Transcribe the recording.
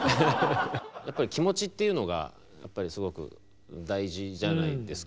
やっぱり気持ちっていうのがすごく大事じゃないですか。